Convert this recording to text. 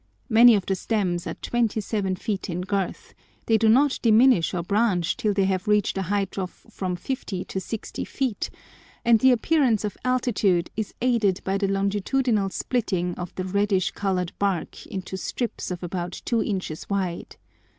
Many of the stems are twenty seven feet in girth; they do not diminish or branch till they have reached a height of from 50 to 60 feet, and the appearance of altitude is aided by the longitudinal splitting of the reddish coloured bark into strips about two inches wide.